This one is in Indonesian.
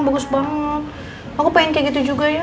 bagus banget aku pengen kayak gitu juga ya